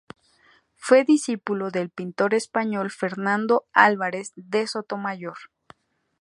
Fue discípulo del pintor español Fernando Álvarez de Sotomayor.